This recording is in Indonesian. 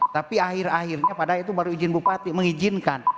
tapi akhir akhirnya padahal itu baru izin bupati mengizinkan